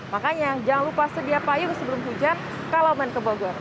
makanya jangan lupa sedia payung sebelum hujan kalau main ke bogor